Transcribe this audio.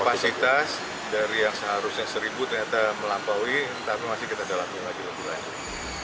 prasitas dari yang seharusnya seribu ternyata melampaui tapi masih kita dalamkan lagi